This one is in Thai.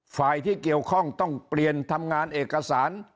ฝ่ายที่เกี่ยวข้องต้องเปลี่ยนทำงานเอกสาร